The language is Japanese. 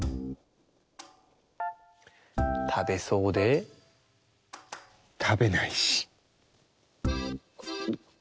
たべそうでたべないし。